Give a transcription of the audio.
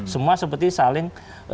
semua seperti saling